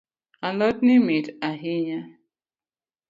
Alotni mit hainya.